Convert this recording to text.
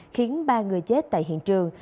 khiến ba người chết tại hiện trường